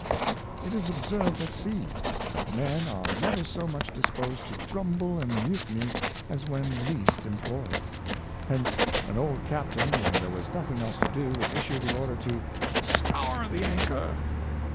It is observed at sea, that men are never so much disposed to grumble and mutiny as when least employed. Hence, an old captain, when there was nothing else to do, would issue the order to " scour the anchor!